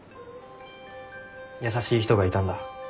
優しい人がいたんだ。